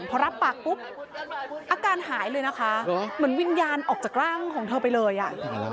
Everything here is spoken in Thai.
พอรับปากปุ๊บอาการหายเลยนะคะเหมือนวิญญาณออกจากร่างของเธอไปเลยอ่ะ